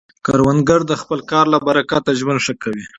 کروندګر د خپل کار له برکته ژوند ښه کوي